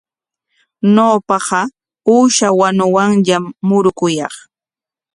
Ñawpaqa uusha wanuwanllam murukuyaq.